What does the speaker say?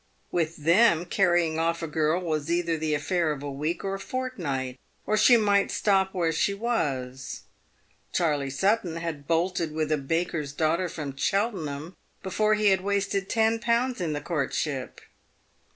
"With them, carrying off a girl was either the affair of a week or a fortnight, or she might stop where she was. Charley Sutton had bolted with a baker's daughter from Cheltenham before he had wasted ten pounds in the courtship.